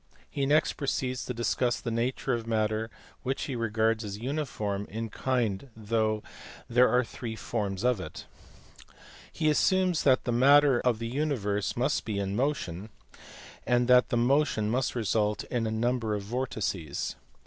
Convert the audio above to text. e next proceeds to discuss the nature of matter which he regards as uniform in kind though there are three forms of it. He assumes that the matter of the universe must be in motion, and that the motion must result in a number of vortices.